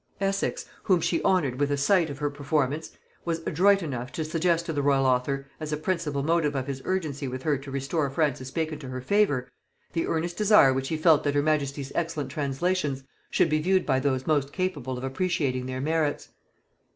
Essex, whom she honored with a sight of her performance, was adroit enough to suggest to the royal author, as a principal motive of his urgency with her to restore Francis Bacon to her favor, the earnest desire which he felt that her majesty's excellent translations should be viewed by those most capable of appretiating their merits.